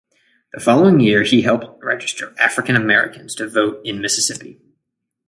The following year he helped register African Americans to vote in Mississippi.